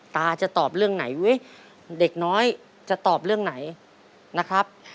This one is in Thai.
จะตอบเรื่องไหนเว้ยเด็กน้อยจะตอบเรื่องไหนนะครับ